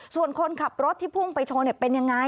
ส่วนคนขับรถที่พุ่งไปชนเป็นยังไง